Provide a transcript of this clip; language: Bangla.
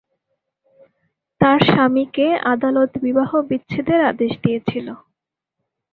তার স্বামীকে আদালত বিবাহ বিচ্ছেদের আদেশ দিয়েছিল।